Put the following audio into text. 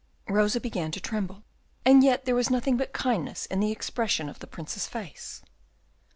Rosa began to tremble, and yet there was nothing but kindness in the expression of the Prince's face.